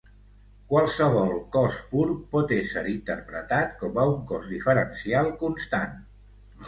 Qualsevol cos pur pot ésser interpretat com a un cos diferencial constant.